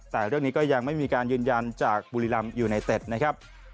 แต่เรื่องนี้ก็ยังไม่มีการยืนยันจากบุรีรำยูไนเต็ดนะครับ